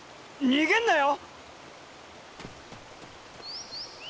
逃げんなよ！